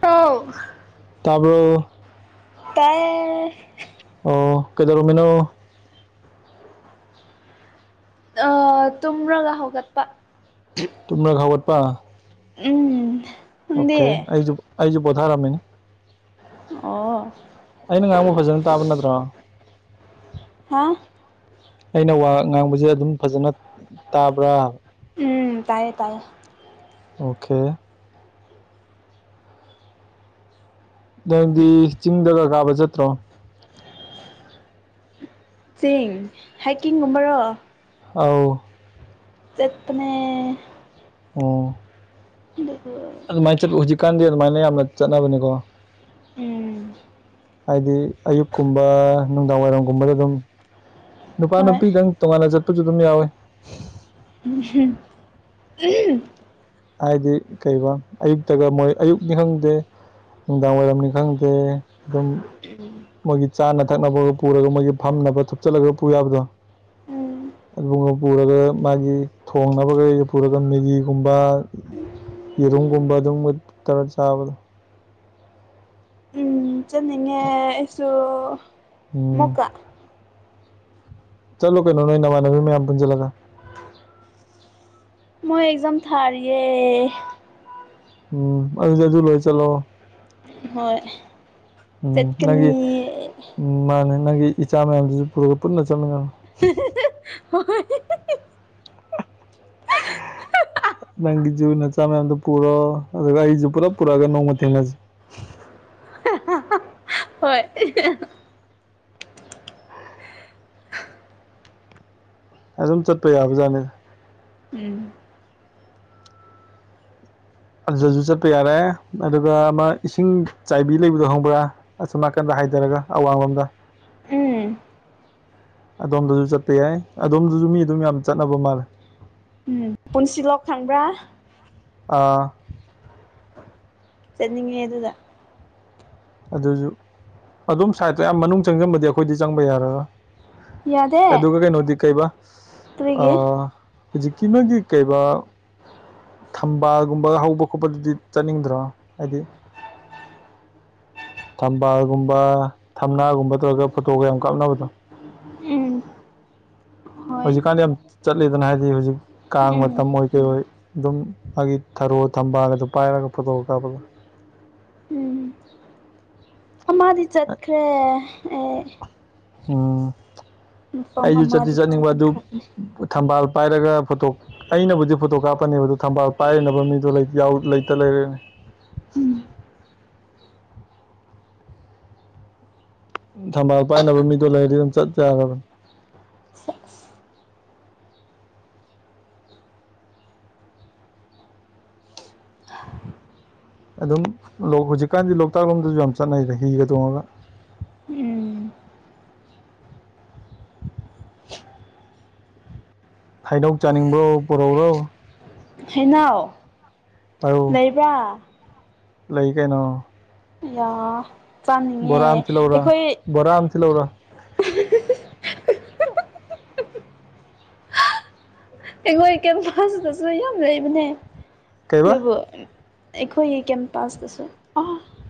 ꯇꯧ ꯍ‌ꯣ ꯇꯥꯏꯌ‌ꯦ ꯑꯣ ꯀꯗꯧꯔꯝꯃꯤꯅꯣ ꯑ ꯇꯨꯝꯔꯒ ꯍꯧꯒꯠꯄ ꯇꯨꯝꯔꯒ ꯍꯧꯒꯠꯄ ꯎꯝ ꯅꯪꯗꯤ ꯑꯣꯀꯦ ꯑꯩꯁꯨ ꯑꯩꯁꯨ ꯄ‌ꯣꯊꯔꯝꯃꯤꯅꯤ ꯑꯣ ꯑꯩꯅ ꯉꯥꯡꯕꯥ ꯐꯖꯟ ꯇꯥꯕ ꯅꯠꯇ꯭ꯔꯣ ꯍꯥ ꯑꯩꯅ ꯋꯥ ꯉꯥꯡꯕꯁꯦ ꯑꯗꯨꯝ ꯐꯖꯅ ꯇꯥꯕ꯭ꯔꯥ ꯎꯝ ꯇꯥꯏꯌꯦ ꯇꯥꯏꯌꯦ ꯑꯣꯀꯦ ꯅꯪꯗꯤ ꯆꯤꯡꯗꯒ ꯀꯥꯕ ꯆꯠꯇ꯭ꯔꯣ ꯆꯤꯡ ꯍꯥꯏꯀꯤꯡꯒꯨꯝꯕꯔꯣ ꯑꯧ ꯆꯠꯄꯅꯦ ꯑꯣ ꯑꯗꯨ ꯑꯗꯨꯃꯥꯏꯅ ꯆꯠꯄ ꯍꯧꯖꯤꯛꯀꯥꯟꯗꯤ ꯑꯗꯨꯃꯥꯏꯅ ꯌꯥꯝꯅ ꯆꯠꯅꯕꯅꯤꯀꯣ ꯎꯝ ꯍꯥꯏꯗꯤ ꯑꯌꯨꯛꯀꯨꯝꯕ ꯅꯨꯡꯗꯥꯡ ꯋꯥꯏꯔꯝꯒꯨꯝꯕꯗ ꯑꯗꯨꯝ ꯅꯨꯄꯥ ꯍꯣꯏ ꯅꯨꯄꯤꯗꯪ ꯇ‌ꯣꯉꯥꯟꯅ ꯆꯠꯄꯁꯨ ꯑꯗꯨꯝ ꯌꯥꯎꯋꯤ [unintelligible] ꯍꯥꯏꯗꯤ ꯀꯩꯕꯥ ꯑꯌꯨꯛꯇꯒ ꯃꯣꯏ ꯑꯌꯨꯛꯅꯤ ꯈꯪꯗꯦ ꯅꯨꯡꯗꯥꯝ ꯋꯥꯏꯔꯝꯅꯤ ꯈꯪꯗꯦ ꯑꯗꯨꯝ ꯃꯣꯏꯒꯤ ꯆꯥꯅ ꯊꯛꯅꯕꯒ ꯄꯨꯔꯒ ꯃꯣꯏꯒꯤ ꯐꯝꯅꯕ ꯊꯨꯞꯆꯜꯂꯒ ꯄꯨ ꯌꯥꯕꯗꯣ ꯎꯝ ꯑꯗꯨ ꯄꯨꯔꯒ ꯃꯥꯒꯤ ꯊꯣꯡꯅꯕꯒꯩꯒ ꯄꯨꯔꯒ ꯃꯦꯒꯤꯒꯨꯝꯕ ꯌꯦꯔꯨꯝꯒꯨꯝꯕ ꯑꯗꯨꯒꯕ ꯇꯔ ꯆꯥꯕꯗꯣ꯫ ꯎ ꯆꯅꯤꯡꯉꯦ ꯑꯩꯁꯨ ꯎꯝ ꯃꯨꯀꯥ꯫ ꯆꯠꯂꯣ ꯀꯩꯅꯣ ꯅꫭꯏ ꯅꯃꯥꯅꯕ ꯃꯌꯥꯝꯌꯥꯝ ꯄꯨꯟꯖꯂꯒ꯫ ꯃꯥꯏ ꯑꯦꯛꯖꯥꯝ ꯊꯥꯔꯤꯌꯦ꯫ ꯎꯝ ꯑꯗꯨꯗꯤ ꯑꯗꯨ ꯂꯣꯏꯔ ꯆꯠꯂꫭ꯫ ꯍꯣꯏ ꯎꯝ ꯅꯪꯒꯤ ꯆꯠꯀꯅꯤ ꯃꯥꯅꯦ꯫ ꯅꯪꯒꯤ ꯏꯆꯥ ꯃꯌꯥꯝꯗꯨꯁꯨ ꯄꯨꯔꯒ ꯄꯨꯟꯅ ꯆꯠꯃꯤꯟꯅꯧ꯫ [unintelligible] ꯍꯥꯏ꯫ [unintelligible] ꯅꯪꯒꯤꯖꯎ ꯅꯆꯥ ꯃꯌꯥꯝꯗꯨ ꯄꯨꯔꯣ ꯑꯗꯨꯒ ꯑꯩꯁꯨ ꯄꯨꯔꯞ ꯄꯨꯔꯛꯑꯒ ꯅꯣꯡꯃ ꯊꯦꯡꯅꯁꯤ꯫ ꯍꯣꯏ꯫ [unintelligible] ꯑꯗꯨꯝ ꯆꯠꯄ ꯌꯥꯕꯖꯥꯠꯅꯤꯗ꯫ ꯎꯝ꯫ ꯑꯗꯨꯁꯨ ꯆꯠꯄ ꯌꯥꯔꯦ ꯑꯗꯨꯒ ꯑꯃ ꯏꯁꯤꯡ ꯆꯥꯏꯕꯤ ꯂꯩꯕꯗꯣ ꯍꯪꯕ꯭ꯔꯥ ꯑꯁꯨꯝꯅꯥꯀꯟꯗ꯫ ꯍꯥꯏꯊꯔꯒ ꯑꯋꯥꯡꯂꯣꯝꯗ ꯎꯝ ꯑꯗꯣꯝꯗꯁꯨ ꯆꯠꯄ ꯌꯥꯏ ꯑꯗꯣꯝꯗꯁꯨ ꯃꯤ ꯑꯗꯨꯝ ꯌꯥꯝ ꯆꯠꯅꯕ ꯃꯥꯜꯂꯦ ꯎꯝ ꯄꯨꯟꯁꯤꯂꯣꯛ ꯈꯪꯕ꯭ꯔꯥ ꯑꯥ ꯆꯅꯤꯡꯉꯦ ꯑꯗꯨꯗ ꯑꯗꯨꯁꯨ ꯑꯗꯨꯝ ꯁꯥꯏꯠꯇꯣ ꯌꯥꯝ ꯃꯅꯨꯡ ꯆꯪꯖꯟꯕꯗꯤ ꯑꯩꯈꯣꯏꯗꯤ ꯆꯪꯕ ꯌꯥꯔꯔꯣꯏ ꯌꯥꯗꯦ ꯑꯗꯨꯒ ꯀꯩꯅꯣꯗꯤ ꯀꯩꯕꯥ ꯑ ꯀꯔꯤꯒꯤ ꯍꯧꯖꯤꯛꯀꯤ ꯅ‌ꯣꯏꯒꯤ ꯀꯩꯕꯥ ꯊꯝꯕꯥꯜꯒꯨꯝꯕ ꯍꯧꯕ ꯈꯣꯠꯄꯗꯨꯗꯤ ꯆꯠꯅꯤꯡꯗ꯭ꯔꯣ ꯍꯥꯏꯗꯤ [unintelligible] ꯊꯝꯕꯥꯜꯒꯨꯝꯕ ꯊꯝꯅꯥꯒꯨꯝꯕ ꯇꯧꯔꯒ ꯐꯣꯇꯣꯒ ꯌꯥꯝ ꯀꯥꯞꯅꯕꯗꯣ꯫ ꯎꯝ꯫ ꯍꯣꯏ ꯍꯧꯖꯤꯛꯀꯥꯟꯗꯤ ꯌꯥꯝ ꯆꯠꯂꯤꯗꯅ ꯍꯥꯏꯗꯤ ꯍꯧꯖꯤꯛ ꯀꯥꯡ ꯎꯝ ꯃꯇꯝ ꯑꯣꯏ ꯀꯩ ꯑꯣꯏ ꯑꯗꯨꯝ ꯃꯥꯒꯤ ꯊꯔ ꯔꫭ ꯊꯕꯥꯜꯒꯗꯨ ꯄꯥꯏꯔꯒ ꯐꯇꯣꯒ ꯀꯥꯞꯄꯗꯨ꯫ ꯎꯝ꯫ ꯑꯃꯗꯤ ꯆꯠꯈ꯭ꯔꯦ ꯑꯦ꯫ ꯎꯝ ꯃꯐꯝ ꯑꯩꯁꯨ ꯆꯠꯇꯤ ꯑꯃꯗꯤ ꯆꯠꯅꯤꯡꯕ ꯑꯗꯨ ꯆꯠꯈ꯭ꯔꯕꯅꯤ ꯊꯝꯕꯥꯜ ꯄꯥꯏꯔꯒ ꯐꯣꯇꯣ ꯑꯩꯅꯕꯨꯗꯤ ꯐꯣꯇꯣ ꯀꯥꯞꯄꯅꯦꯕꯗ ꯊꯝꯕꯥꯜ ꯄꯥꯏꯔꯅꯕ ꯃꯤꯗꯣ ꯂꯩꯇ ꯂꯩꯔꯦ꯫ ꯎꯝ꯫ ꯊꯝꯕꯥꯜ ꯄꯥꯏꯅꯕ ꯃꯤꯗꯣ ꯂꯩꯔꯗꯤ ꯑꯗꯨꯝ ꯆꯠ ꯌꯥꯔꯕꯅꯤ꯫ ꯑꯗꯨꯝ ꯂꫭꯛ ꯍꯧꯖꯤꯛꯀꯥꯟꯗꯤ ꯂꯣꯛꯇꯥꯛ ꯂꯣꯝꯗꯁꯨ ꯌꯥꯝ ꯆꯠꯅꯩꯗ ꯍꯤꯒ ꯇꯣꯡꯑꯒ꯫ ꯎꯝ꯫ ꯍꯥꯏꯅꯧ ꯆꯥꯅꯤꯡꯕ꯭ꯔꯣ ꯄꯨꯔꯧ꯭ꯔꯣ꯫ ꯍꯩꯅꯥꯎ ꯑꯧ ꯂꯩꯕ꯭ꯔꯥ꯫ ꯂꯩ ꯀꯩꯅꯣ꯫ ꯌꯥ꯫ ꯆꯥꯅꯤꯡꯉꯦ ꯕꯣꯔꯥ ꯑꯃ ꯊꯤꯜꯂꯧꯔꯥ ꯑꯩꯈꯣꯏ ꯕꯣꯔꯥ ꯑꯃ ꯊꯤꯜꯂꯧꯔꯥ ꯑꯩꯈꯣꯏ ꯀꯦꯝꯄꯥꯥꯁꯗꯁꯨ ꯌꯥꯝ ꯂꯩꯕꯅꯦ ꯀꯩꯕ ꯑꯗꯨꯕꯨ ꯑꯩꯈꯣꯏꯒꯤ ꯀꯦꯝꯄꯥꯥꯁꯇꯁꯨ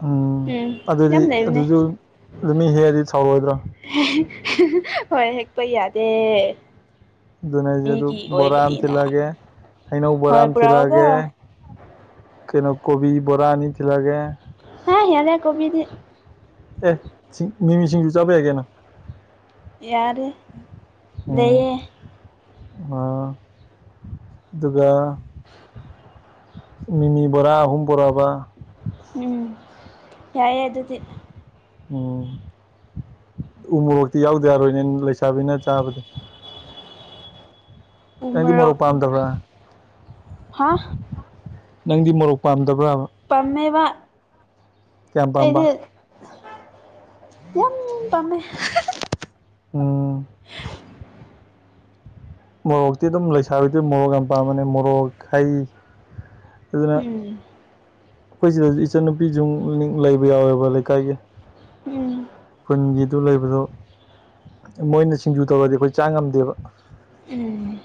ꯎꯝ ꯑꯗꯨꯗꯤ ꯂꯩꯕꯅꯦ ꯑꯗꯨꯁꯨ ꯑꯗꯨ ꯃꯤ ꯍꯦꯛꯑꯗꯤ ꯁꯥꯎꯔꯣꯏꯗ꯭ꯔꯣ꯫ ꯍꯣꯏ ꯍꯦꯛꯄ ꯌꯥꯗꯦ꯫ ꯗꯨꯅꯦ ꯍꯥꯏꯁꯦ ꯑꯗꯨ ꯃꯤꯒꯤ ꯕꯣꯔꯥ ꯑꯝ ꯑꯣꯏꯕꯅꯤꯅ ꯇꯤꯜꯂꯒꯦ꯫ ꯍꯩꯅꯧ ꯕꯣꯔꯥ ꯍꯣꯏ ꯑꯃ ꯄꯨꯔꯛꯑꯣꯀꯣ ꯊꯤꯜꯂꯛꯑꯒꯦ ꯀꯩꯅꯣ ꯀꯣꯕꯤ ꯕꯣꯔꯥ ꯑꯅꯤ ꯊꯤꯜꯂꯛꯑꯒꯦ꯫ ꯍꯥ ꯌꯥꯔꯦ ꯀꯣꯕꯤꯗꯤ꯫ ꯑꯦ ꯃꯤꯃꯤꯁꯤꯡꯁꯨ ꯆꯥꯕꯌꯥꯏ ꯀꯩꯅꫭ꯫ ꯌꯥꯔꯦ ꯂꯩꯌꯦ꯫ ꯑ ꯑꯗꯨꯒ ꯃꯤꯃꯤ ꯕꯣꯔꯥ ꯑꯍꯨꯝ ꯕꯣꯔꯥꯕ꯫ ꯎꯝ ꯌꯥꯏꯑꯦ ꯑꯗꯨꯗꯤ ꯑꯣ ꯎꯃꯣꯔꯛꯇꯤ ꯌꯥꯎꯗ ꯌꯥꯔꯣꯏꯅꯦ ꯂꯩꯁꯥꯕꯤꯅ ꯆꯥꯕꯗ ꯅꯪꯗꯤ ꯃꯣꯔꯣꯛ ꯄꯥꯝꯗꯕ꯭ꯔꯥ ꯍꯥ ꯅꯪꯗꯤ ꯃꯣꯔꯣꯛ ꯄꯥꯝꯗꯕ ꯄꯝꯃꯦꯕ ꯀꯄꯝꯕ ꯌꯥꯝ ꯄꯥꯝꯃꯦ ꯑꯣ ꯃꯣꯔꯣꯛꯇꯤ ꯑꯗꯨꯝ ꯂꯩꯁꯥꯕꯤꯗꯨ ꯃꯣꯔꯣꯛ ꯌꯥꯝ ꯄꯥꯝꯝꯕꯅꯦ ꯃꯣꯔꯣꯛ ꯍꯩ ꯑꯗꯨꯗꯨꯅ ꯎꯝ ꯑꯩꯈꯣꯏ ꯁꯤꯗꯁꯨ ꯏꯆꯟꯅꯨꯄꯤꯁꯨ ꯂꯩꯕ ꯌꯥꯎꯋꯦꯕ ꯂꯩꯀꯥꯏꯒꯤ ꯎꯝ ꯈꯨꯟꯒꯤꯗꯨ ꯂꯩꯕꯗꯣ ꯃꯣꯏꯅ ꯁꯤꯡꯖꯨ ꯇꯧꯔꯗꯤ ꯑꯩꯈꯣꯏ ꯆꯥ ꯉꯝꯗꯦꯕ ꯎꯝ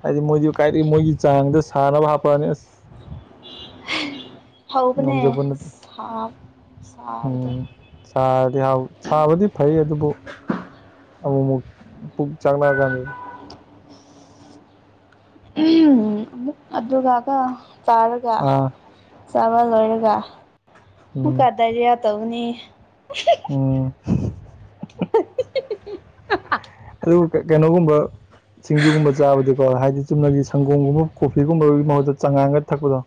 ꯍꯥꯏꯗꯤ ꯃꯣꯏꯗꯤ ꯀꯥꯏꯗꯒꯤ ꯃꯣꯏꯒꯤ ꯆꯥꯡꯗ ꯁꯥꯥꯟꯅꯕ ꯍꯥꯞꯄꯛꯑꯅꯤ ꯑꯁ꯫ ꯍꯥꯎꯕꯅꯦ ꯉꯝꯖꯕ ꯅꯠꯇꯦ ꯁꯥ ꯁꯥꯕꯗꯣ ꯎꯝ ꯆꯔꯗꯤ ꯍꯥꯎ ꯁꯥꯕꯗꯤ ꯐꯩ ꯑꯗꯨ꯫ ꯑꯃꯨꯛꯃꯨꯛ ꯄꯨꯛ ꯆꯥꯛꯂꯛꯑꯀꯥꯟꯗꯤ ꯑꯃꯨꯛ ꯑꯗꯨꯒꯥ ꯀꫭ ꯇꯔꯒ ꯑꯥ ꯆꯕ ꯂꯣꯏꯔꯒ ꯃ ꯀꯗꯥꯔꯤꯌꯥ ꯇꯧꯅꯤ ꯑꯣ ꯑꯗꯨ ꯀꯩꯅꯣꯒꯨꯝꯕ ꯁꯤꯡꯖꯨꯒꯨꯝꯕ ꯆꯥꯕꯗꯤꯀꯣ ꯍꯥꯏꯗꯤ ꯆꯨꯝꯅꯒꯤ ꯁꯪꯒꯣꯝꯒꯨꯝꯕ ꯀꯣꯐꯤꯒꯨꯝꯕꯒꯤ ꯃꯍꯨꯠꯇ ꯆꯥꯡꯉꯥꯡꯒ ꯊꯛꯄꯗꯣ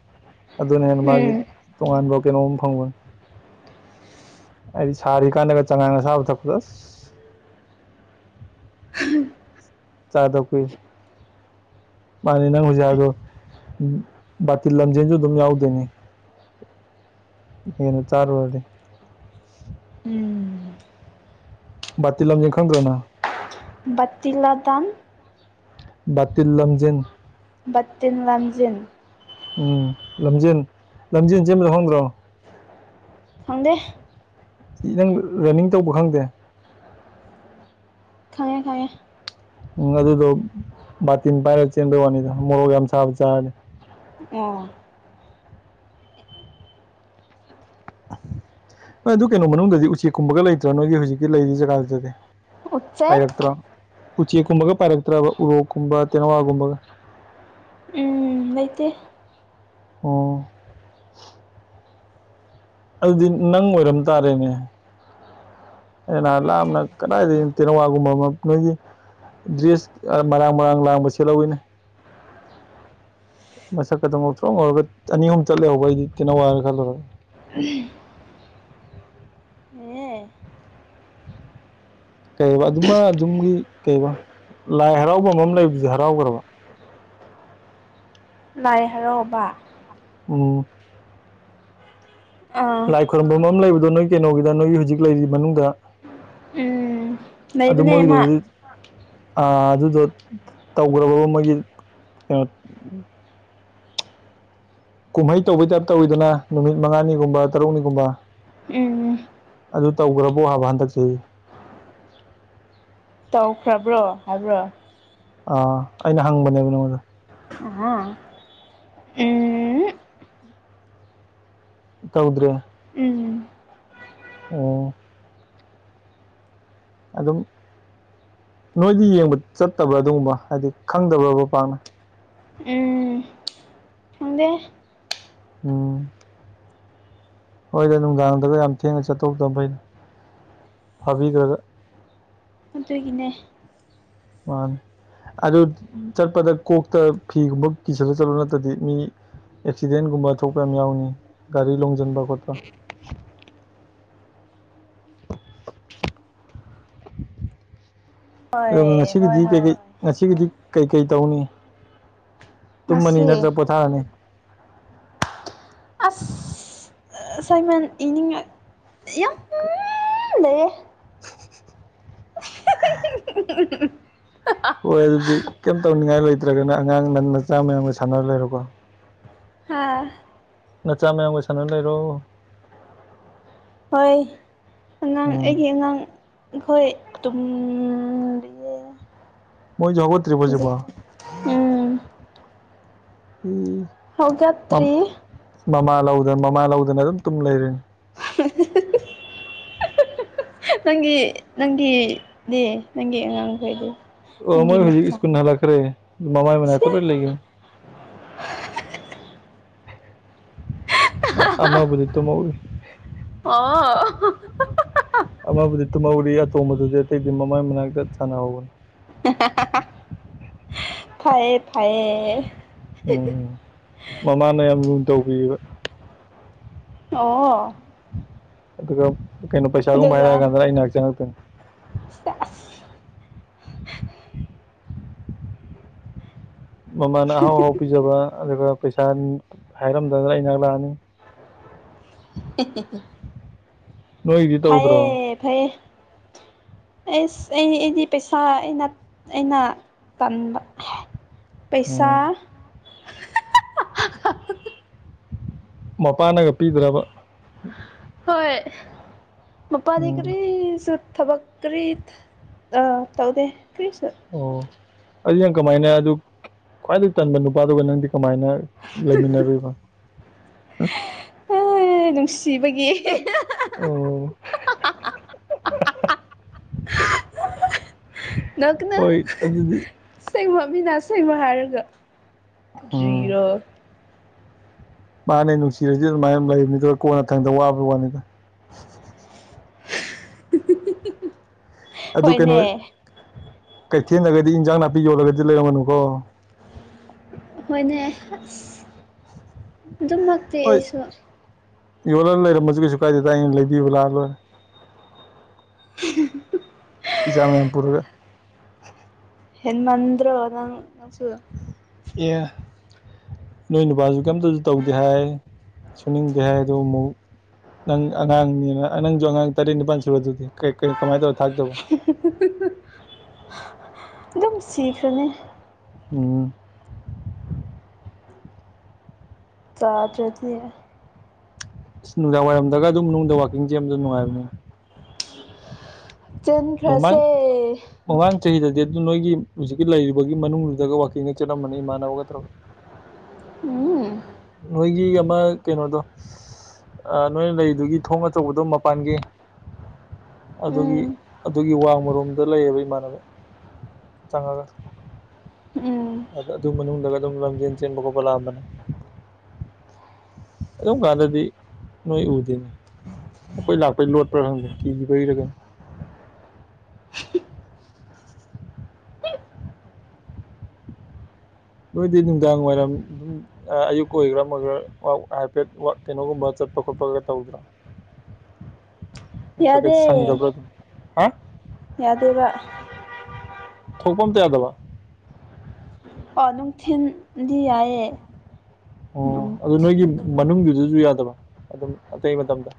ꯑꯗꯨꯅ ꯍꯦꯟꯅ ꯃꯥꯒꯤ ꯎꯝ ꯇꯣꯉꯥꯟꯕ ꯀꯩꯅꯣꯝ ꯐꯪꯕꯅꯤ ꯑꯩꯗꯤ ꯁꯥꯔꯤ ꯀꯥꯟꯗꯒ ꯆꯉꯥꯡꯒ ꯁꯥꯕ ꯊꯛꯄꯗ ꯆꯥꯏꯗ ꯀꯣꯏ ꯃꯥꯅꯤ ꯅꯪ ꯍꯧꯖꯤꯛ ꯑꯗꯣ ꯕꯥꯇꯤꯤꯟ ꯂꯝꯖꯦꯟꯁꯨ ꯑꯗꯨꯝ ꯌꯥꯎꯗꯣꯏꯅꯤ ꯍꯅ ꯆꯥꯔꯨ ꯑꯣꯏꯗꯤ ꯎꯝ ꯇ ꯂ ꯂꯝꯖꯤꯡ ꯈꯪꯗ꯭ꯔꯣꯅ ꯇꯤ ꯂꯥꯗꯥꯥꯟ ꯕꯥꯇꯤꯜ ꯂꯝꯖꯦꯟ ꯇꯤꯟ ꯂꯝ ꯂꯝꯖꯤꯡ ꯎꯝ ꯂꯝꯖꯦꯟ ꯂꯝꯖꯦꯟ ꯁꯦꯝꯦꯟ ꯑꯃ ꯂ ꯍꯣꯡꯈ꯭ꯔꯣ ꯐꯪꯗꯦ ꯅꯪ ꯔꯟꯅꯤꯡ ꯇꯧꯕ ꯈꯪꯗꯦ ꯈꯪꯉꯦ ꯈꯉꯦ ꯎꯝ ꯑꯗꯨꯗꯣ ꯕꯥꯇꯤꯟ ꯄꯥꯏꯔꯒ ꯆꯦꯟꯗ ꯋꯥꯅꯤꯗ ꯃꯣꯔꯣꯛ ꯌꯥꯝ ꯁꯥꯥꯕ ꯆꯥꯔꯅꯤꯦ ꯑꯣ ꯍꯣꯏ ꯑꯗꯨ ꯀꯩꯅꯣ ꯃꯅꯨꯡꯗꯗꯤ ꯎꯆꯦꯛꯀꯨꯝꯕꯒ ꯂꯩꯇ꯭ꯔꯥ ꯅꯣꯏꯒꯤ ꯍꯧꯖꯤꯛꯀꯤ ꯂꯩꯔꯤ ꯖꯒꯥꯗꯨꯗꯗꯤ ꯎꯆꯦꯛ ꯄꯥꯏꯔꯛꯇ꯭ꯔꯣ ꯎꯆꯦꯛꯀꯨꯝꯕꯒ ꯄꯥꯏꯔꯛꯇ꯭ꯔꯕ ꯎꯔꯣꯛꯀꯨꯝꯕ ꯇꯦꯅꯋꯥꯒꯨꯝꯕꯒ ꯎꯝ ꯂꯩꯇ ꯑꯣ ꯑꯗꯨꯗꯤ ꯅꯪ ꯑꯣꯏꯔꯝ ꯇꯥꯔꯦꯅꯦ ꯑꯩꯅ ꯂꯥꯞꯅ ꯀꯗꯥꯏꯗꯒꯤ ꯇꯦꯅꯋꯥꯒꯨꯝꯕ ꯅꯣꯏꯒꯤ ꯗ꯭ꯔꯦꯁ ꯃꯔꯥꯡ ꯃꯔꯥꯡ ꯂꯥꯡꯕ ꯁꯦꯍꯏꯤꯅꯦ ꯃꯁꯛ ꯈꯛꯇꯪ ꯉꯥꯎꯊꯣꯛ ꯉꯧꯔꯒ ꯑꯅꯤ ꯑꯍꯨꯝ ꯆꯠꯂꯦꯍꯧꯕ ꯑꯩꯗꯤ ꯀꯩꯅꯣ ꯋꯥꯏꯔ ꯈꯜꯂꯨꯔꯦ ꯎꯝ ꯀꯩ ꯑꯗꯨꯃ ꯑꯗꯨꯝꯒꯤ ꯀꯩ ꯂꯥꯏ ꯍꯔꯥꯎꯕ ꯑꯃ ꯑꯃ ꯂꯩꯕꯗꯤ ꯍꯔꯥꯎꯈ꯭ꯔꯕ ꯂꯥꯏ ꯍꯔꯛꯕ ꯑ ꯑꯥ ꯂꯥꯏ ꯈꯣꯏꯔꯨꯝꯝꯕ ꯑꯃ ꯂꯩꯕꯗꯣ ꯅꯣꯏ ꯀꯩꯅꯣꯒꯤꯗ ꯅꯣꯏꯒꯤ ꯍꯧꯖꯤꯛ ꯂꯩꯔꯤ ꯃꯅꯨꯡꯗ ꯑꯗꯨ ꯂꯩꯕꯅꯦꯃ ꯃꯣꯏꯒꯤꯗꯨꯗꯤ ꯑꯗꯨꯗꯣ ꯇꯧꯈ꯭ꯔꯕꯕ ꯃꯣꯏꯒꯤ ꯀꯩꯅꯣ ꯀꯨꯝꯍꯩ ꯇꯧꯕꯩ ꯇꯥꯏꯞ ꯇꯧꯋꯤꯗꯅ ꯅꯨꯃꯤꯠ ꯃꯉꯥꯅꯤꯒꯨꯝꯕ ꯇꯔꯨꯛꯅꯤꯒꯨꯝꯕ ꯎꯝ ꯑꯗꯨ ꯇꯧꯈ꯭ꯔꯕꯣ ꯍꯥꯏꯕ ꯍꯟꯗꯛꯁꯦ ꯇꯧꯈ꯭ꯔꯕ꯭ꯔꯣ ꯍꯥꯏꯕ꯭ꯔꯣ ꯑꯥ ꯑꯩꯅ ꯍꯪꯕꯅꯦꯕ ꯅꯉꯣꯟꯗ ꯑ ꯎꯝ ꯇꯧꯗ꯭ꯔꯦ ꯎꯝ ꯑꯣ ꯑꯗꯨꯝ ꯅꯣꯏꯗꯤ ꯌꯦꯡꯕ ꯆꯠꯇꯕ꯭ꯔꯥ ꯑꯗꯨꯒꯨꯝꯕ ꯍꯥꯏꯕꯗꯤ ꯈꯪꯗꯕ꯭ꯔꯕ ꯄꯥꯛꯅ ꯍꯗ ꯑꯣ ꯍꯣꯏꯗ ꯅꯨꯡꯗꯥꯡꯗꯒ ꯌꯥꯝ ꯊꯦꯡꯅ ꯆꯠꯇꯧꯗ ꯐꯩꯅ ꯐꯥꯕꯤꯈ꯭ꯔꯒ ꯃꯠꯇꯣꯏꯒꯤꯅꯦ ꯋꯥꯟ ꯑꯗꯨ ꯆꯠꯄꯗ ꯀꯣꯛꯇ ꯐꯤꯒꯨꯝꯕ ꯀꯤꯁꯜꯂꯒ ꯆꯠꯂ ꯅꯠꯇꯗꯤ ꯃꯤ ꯑꯦꯛꯁꯤꯗꯦꯟꯒꯨꯝꯕ ꯊꯣꯛꯄ ꯌꯥꯝ ꯌꯥꯎꯅꯤ ꯒꯥꯔꯤ ꯂꯣꯡꯁꯤꯟꯕ ꯈꯣꯠꯄ [unintelligible] ꯍꯣꯏ ꯑꯗꯨꯒ ꯍꯣꯏ ꯉꯁꯤꯒꯤꯗꯤ ꯍꯣꯏ ꯀꯩꯀꯩ ꯍꯣꯏ ꯉꯁꯤꯒꯤꯗꯤ ꯀꯩꯀꯩ ꯇꯧꯅꯤ ꯇꯨꯝꯃꯅꯤ ꯉꯁꯤ ꯅꯠꯇ꯭ꯔ ꯄꯣꯊꯥꯔꯅꯤ ꯑꯁ ꯁꯥꯏꯃꯟ ꯏꯅꯤꯡ ꯌꯥꯝ ꯂꯩꯦ [unintelligible] ꯍꯣꯏ ꯑꯗꯨꯗꯤ ꯀꯩꯝ ꯇꯧꯅꯤꯡꯉꯥꯏ ꯂꯩꯇ꯭ꯔꯒꯅ ꯑꯉꯥꯡ ꯅ ꯃꯆꯥ ꯃꯌꯥꯝꯒ ꯁꯥꯟꯅꯔ ꯂꯩꯔꯣꯀꯣ ꯑꯥ ꯅꯆꯥ ꯃꯌꯥꯝꯒ ꯁꯥꯟꯅꯅ ꯂꯩꯔꯣ ꯍꯣꯏ ꯑꯉꯥꯡ ꯎꯝ ꯑꯩꯒꯤ ꯑꯉꯥꯡ ꯑꯩꯈꯣꯏꯨꯝ ꯃꯣꯏꯁꯨ ꯍꯧꯒꯠꯇ꯭ꯔꯤꯕꯣ ꯍꯧ ꯍꯧꯖꯤꯛꯄꯣ ꯎꯝ ꯎꯝ ꯍꯒꯇ꯭ꯔꯤ ꯂꯧꯗꯅ ꯃꯃꯥ ꯂꯧꯗꯅ ꯑꯗꯨꯝ ꯇꯨꯝ ꯂꯩꯔꯤꯅꯤ [unintelligible] ꯅꯪꯒꯤ ꯅꯪꯒꯤꯗꯤ ꯅꯪꯒꯤ ꯑꯉꯥꯡꯈꯩꯗꯤ ꯑꯣ ꯅꯪꯒꯤ ꯃꯣꯏ ꯍꯧ ꯃꯆꯥ ꯁ꯭ꯀꯨ ꯅꯂꯈꯔ ꯃꯃꯥꯏ ꯃꯅꯥ ꯇꯣꯂꯣꯏ ꯂꯩꯒꯦꯝ [unintelligible] ꯑꯃꯕꯨꯗꯤ ꯇ ꯃꯧꯋꯔꯤ ꯑꯣ ꯑꯃꯕꯨꯗꯤ ꯇꯨꯝꯍꯧꯔꯤ ꯑꯇꯣꯕꯗꯨꯗꯤ ꯑꯇꯩꯗꯤ ꯃꯃꯥꯏ ꯃꯅꯥꯛꯇ ꯁꯥꯟꯅꯍꯧꯧꯕꯅꯤ [unintelligible] ꯐꯌꯦ ꯐꯌꯦ ꯎꯝ ꯃꯃꯥꯅ ꯌꯥꯝ ꯅꯨꯡ ꯇꯧꯕꯤꯕ ꯑꯣ ꯑꯗꯨꯒ ꯀꯩꯅꯣ ꯄꯩꯁꯥꯒꯨꯝꯕ ꯍꯥꯏꯔꯛꯑ ꯀꯥꯟꯗ ꯑꯩ ꯉꯥꯏꯍꯥꯛ ꯆꯪꯉꯥꯛꯛꯇꯅꯤ ꯏꯁꯇꯥꯁ ꯃꯃꯥꯅ ꯑꯍꯥꯎ ꯑꯍꯥꯎ ꯄꯤꯖꯕ ꯑꯗꯨꯒ ꯄꯩꯁꯥ ꯍꯥꯏꯔꯝꯗꯗꯅ ꯏꯅꯥꯛ ꯂꯥꯛꯑꯅꯤ ꯑꯦ ꯅꯣꯏꯒꯤꯗꯤ ꯇꯧꯗ꯭ꯔꯣ ꯐꯌꯦꯦ ꯐꯔꯌꯦꯦ ꯑꯦꯁ ꯑꯩ ꯑꯩꯗꯤ ꯄꯩꯁꯥ ꯑꯩꯅ ꯑꯩꯅ ꯇꯟꯥꯟꯕ ꯄꯩꯁꯥ ꯎꯝ ꯃꯄꯥꯥꯟꯅꯒ ꯄꯤꯗ꯭ꯔꯕ ꯍꯣꯏ ꯃꯄ ꯑꯗꯤ ꯎꯝ ꯀꯔꯤ ꯊꯕꯛ ꯀꯔꯤ ꯇꯧꯗꯦ ꯀꯔꯤꯁꯨ ꯑꯣ ꯑꯗꯨ ꯅ ꯀꯃꯥꯏꯅ ꯑꯗꯨ ꯈ꯭ꯋꯥꯏꯗꯒꯤ ꯇꯟꯕ ꯅꯨꯄꯥꯗꯨꯒ ꯅꯪꯗꯤ ꯀꯃꯥꯏꯅ ꯂꯩꯃꯤꯟꯅꯔꯤꯕ ꯎ ꯍ ꯅꯨꯡꯁꯤꯕꯒꯤ ꯑꯣ ꯅ ꯀꯅ ꯍꯣꯏ ꯑꯗꯨꯗꯤ ꯅꯁꯦꯕ ꯍꯥꯔꯒꯔꯣ ꯎꯝ ꯃꯥꯅꯦ ꯅꯨꯡꯁꯤꯔꯁꯨ ꯑꯗꯨꯃꯥꯏꯅ ꯂꯩꯕꯅꯤꯗ ꯀꯣꯟꯅ ꯊꯪꯗ ꯋꯥꯕ ꯋꯥꯅꯤꯗ ꯑꯗꯨ ꯀꯩꯅꯣ ꯍꯣꯏꯅꯦ ꯀꯩꯊꯦꯜꯗꯒꯗꯤ ꯏꯟꯖꯥꯡ ꯅꯥꯄꯤ ꯌꯣꯜꯂꯒꯗꯤ ꯂꯩꯔꯝꯃꯅꯨꯀꯣ ꯍꯣꯏꯅꯦ ꯑꯁ ꯑꯗꯨꯝꯃꯛꯇꯤ ꯑꯩꯁꯨ ꯌꯣꯜꯂ ꯂꯩꯔꯝꯃꯁꯨ ꯀꯩꯁꯨ ꯀꯥꯏꯗꯦ ꯇ ꯑꯩꯅ ꯂꯩꯕꯤꯕꯨ ꯂꯥꯛ ꯂꯣꯏꯔꯦ [unintelligible] ꯏꯖꯥꯃꯄꯨꯔꯒ ꯌꯦꯟ ꯃꯟꯣ ꯅꯪ ꯑꯦ ꯅꯣꯏꯣꯏꯅꯕꯥꯖ ꯀꯝꯇꯁꯨ ꯇꯧꯗꯦ ꯍꯥꯏ ꯁꯨꯅꯤꯡꯗꯦ ꯍꯥꯏ ꯑꯗ ꯑꯃꯨꯛ ꯅꯪ ꯑꯉꯥꯡꯅꯤ ꯑꯅꯪꯁꯨ ꯑꯉꯥꯡ ꯇꯔꯅꯤ ꯄ ꯁꯗꯤ ꯀꯩ ꯀ ꯀꯃꯥꯏꯗꯕ ꯊꯥꯛꯗꯕ ꯑꯦꯝ ꯁꯤꯈ꯭ꯔꯅꯦ ꯑꯣ ꯆꯥꯗꯗꯤ ꯑꯁ ꯅꯨꯡꯗꯥꯡ ꯋꯥꯏꯔꯝꯗꯒ ꯑꯗꯨꯝ ꯃꯅꯨꯡꯗꯅꯨꯡ ꯋꯥꯋꯥꯛꯀꯤꯡꯁꯦ ꯌꯥꯝ ꯅꯨꯡꯉꯥꯏꯕꯅꯦ ꯆꯤꯟꯈ꯭ꯔꯁꯦ ꯃꯃꯥꯡ ꯆꯍꯤꯗꯗꯤ ꯑꯗꯨ ꯅꯣꯏꯒꯤ ꯍꯧꯖꯤꯛꯀꯤ ꯂꯩꯔꯤꯕꯨꯒꯤ ꯃꯅꯨꯡꯗꯨꯗꯒ ꯋꯥꯛꯀꯤꯡꯒ ꯆꯠꯂꯝꯃꯅꯤ ꯏꯃꯥꯟꯅꯕꯒꯠꯇ꯭ꯔꯒ ꯎꯝ ꯅꯣꯏꯒꯤ ꯑꯃ ꯀꯩꯅꯣꯗꯣ ꯅꯣꯏꯅ ꯂꯩꯗꯨꯒꯤ ꯊꯣꯡ ꯑꯆꯧꯕꯗꯣ ꯃꯄꯥꯟꯒꯤ ꯑꯗꯨꯒꯤ ꯎꯝ ꯑꯗꯨꯒꯤ ꯋꯥꯃꯣꯝ ꯑꯗꯨꯗ ꯂꯩꯌꯦꯕ ꯏꯃꯥꯟꯅꯕ ꯆꯪꯉꯒ ꯎꯝ ꯑꯗꯨ ꯃꯅꯨꯡꯗꯒ ꯑꯗꯨꯝ ꯂꯝꯖꯦꯟ ꯆꯦꯟꯕ ꯈꯣꯠꯄ ꯂꯥꯛꯑꯝꯕꯅꯦ ꯑꯗꯨꯝ ꯀꯥꯟꯗꯗꯤ ꯅꯣꯏ ꯎꯗꯦꯅꯦ ꯑꯩꯈꯣꯏ ꯂꯥꯛꯄꯩ ꯂꯣꯠꯄ꯭ꯔꯥ ꯈꯪꯒꯦ ꯀꯤꯁꯤꯕꯔꯒꯅꯤ ꯅꯣꯏꯗꯤ ꯅꯨꯡꯗꯥꯡ ꯋꯥꯏꯔꯝ ꯑꯗꯨꯝ ꯑꯌꯨꯛ ꯑꯣꯏꯒ꯭ꯔ ꯑꯃꯒꯔꯥꯋ ꯍꯥꯏꯐꯦꯠ ꯀꯩꯅꯣꯒꯨꯝꯕ ꯆ ꯀꯠꯄ ꯀꯣꯄꯒ ꯇꯧꯗ꯭ꯔꯥ [unintelligible] ꯅꯠꯇ꯭ꯔꯒ ꯌꯥꯗꯦ ꯁꯪꯗꯕ꯭ꯔꯥ ꯑꯗꯨꯝ ꯍꯥ ꯌꯥꯗꯦꯕ ꯊꯄꯣꯟ ꯇꯌꯥꯗꯕ ꯑꯣ ꯅꯨꯡꯊꯤꯤꯟꯗꯤ ꯌꯥꯏꯑꯦ ꯑꯣ ꯑꯗꯨ ꯅꯣꯏꯒꯤ ꯃꯅꯨꯡꯗꯨꯗꯁꯨ ꯌꯥꯗꯕ ꯑꯗꯨꯝ ꯑꯇꯩ ꯃꯇꯝꯗ